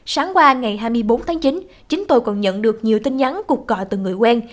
sáng qua ngày hai mươi bốn tháng chín chính tôi còn nhận được nhiều tin nhắn cục cọ từ người quen